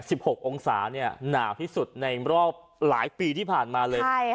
หกองศาเนี่ยหนาวที่สุดในรอบหลายปีที่ผ่านมาเลยใช่ค่ะ